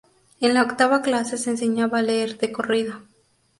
En la octava clase se enseñaba a leer de corrido.